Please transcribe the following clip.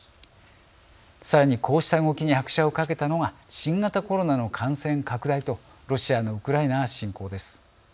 さらに、こうした動きに拍車をかけたのが新型コロナの感染拡大とロシアのウクライナ侵攻です。